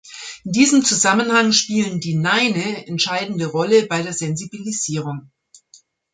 In diesem Zusammenhang spielen die Neine entscheidende Rolle bei der Sensibilisierung.